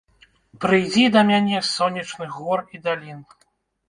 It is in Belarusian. Прыйдзі да мяне з сонечных гор і далін.